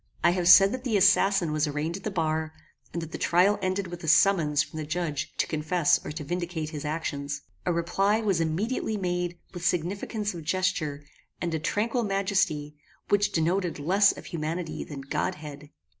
I have said that the assassin was arraigned at the bar, and that the trial ended with a summons from the judge to confess or to vindicate his actions. A reply was immediately made with significance of gesture, and a tranquil majesty, which denoted less of humanity than godhead.